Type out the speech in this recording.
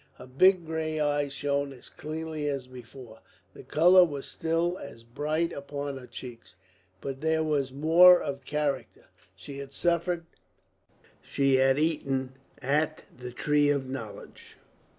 Her big grey eyes shone as clearly as before, the colour was still as bright upon her cheeks. But there was more of character. She had suffered; she had eaten of the tree of knowledge.